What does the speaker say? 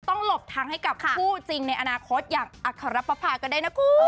ต้องหลบทั้งให้กับคู่จริงในอนาคตอย่างอัคคารับปะพาก็ได้นะคุณ